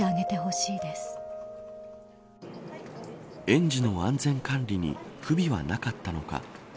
園児の安全管理に不備はなかったのか。